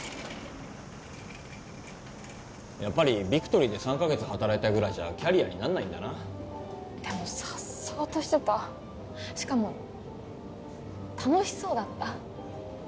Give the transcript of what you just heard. やっぱりビクトリーで３カ月働いたぐらいじゃキャリアになんないんだなでもさっそうとしてたしかも楽しそうだった